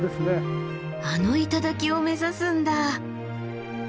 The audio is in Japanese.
あの頂を目指すんだ。